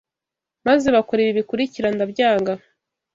maze bakora ibi bikurikira ndabyanga